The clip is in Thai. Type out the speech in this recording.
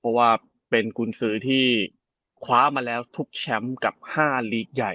เพราะว่าเป็นกุญสือที่คว้ามาแล้วทุกแชมป์กับ๕ลีกใหญ่